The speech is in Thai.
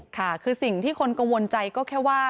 ค่ะคือสิ่งที่คนกังวลใจก็แค่ว่า